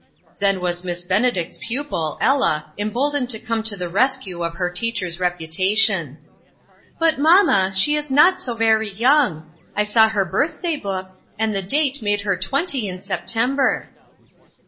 Then was Miss Benedict's pupil, Ella, em boldened to come to the rescue of her teacher's reputation :" But, mamma, she is not so very young. I saw her birthday book, and the date made her twenty in September."